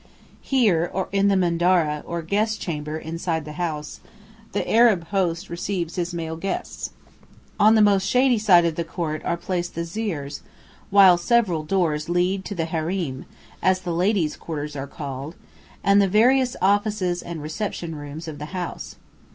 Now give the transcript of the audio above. Here, or in the "mandara" inside the house, the Arab host receives his male guests. On the most shady side of the court are placed the "zīrs," while several doors lead to the harīm, as the ladies' quarters are called, and the various offices and reception rooms of the house.